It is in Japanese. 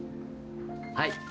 はい！